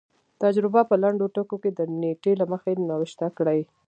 تجربه په لنډو ټکو کې د نېټې له مخې نوشته کړي.